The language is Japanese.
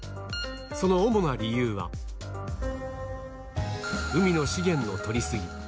その主な理由は、海の資源の取り過ぎ。